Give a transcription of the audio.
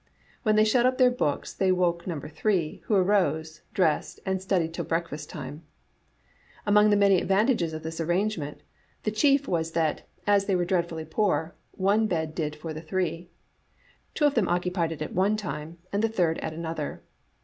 When they shut up their books they woke number three, who arose, dressed, and studied till breakfast time. Among the many advantages of Digitized by VjOOQ IC xii 5« A« 3Batr(e* this arrangement, the chief was that, as they were dreadfully poor, one bed did for the three. Two of them occupied it at one time, and the third at another.